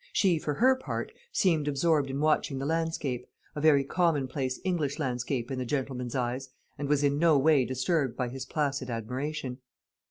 She, for her part, seemed absorbed in watching the landscape a very commonplace English landscape in the gentleman's eyes and was in no way disturbed by his placid admiration.